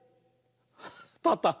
たった。